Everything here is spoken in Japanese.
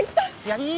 やり？